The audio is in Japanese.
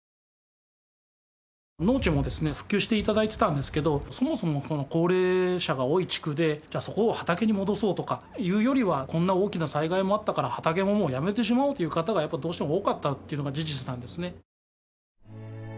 農地もですね復旧していただいていたんですけどそもそも高齢者が多い地区でそこを畑に戻そうとかいうよりはこんな大きな災害もあったから畑ももうやめてしまおうという方がやっぱどうしても多かったっていうのが事実なんですね。